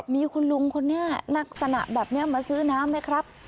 มีคุณลุงคนนี้ลักษณะแบบนี้มาซื้อน้ำไหมครับ